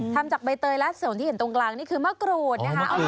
ทำจากใบเตยและส่วนที่เห็นตรงกลางนี่คือมะกรูดนะคะ